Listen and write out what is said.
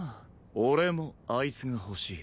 俺もあいつが欲しい。